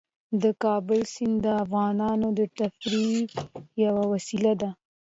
د کابل سیند د افغانانو د تفریح یوه وسیله ده.